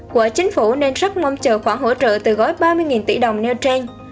của chính phủ nên rất mong chờ khoản hỗ trợ từ gói ba mươi tỷ đồng nêu trên